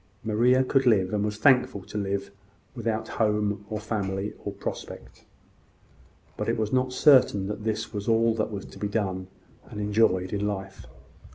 Maria could live, and was thankful to live, without home, or family, or prospect. But it was not certain that this was all that was to be done and enjoyed in life.